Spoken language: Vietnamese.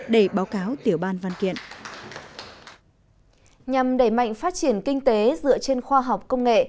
để báo cáo tiểu ban văn kiện nhằm đẩy mạnh phát triển kinh tế dựa trên khoa học công nghệ